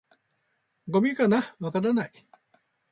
「ゴミかな？」「わからない」